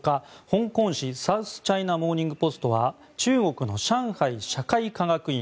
香港紙、サウスチャイナ・モーニング・ポストは中国の上海社会科学院